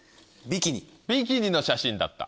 ビキニの写真だった。